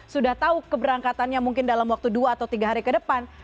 sudah tahu keberangkatannya mungkin dalam waktu dua atau tiga hari ke depan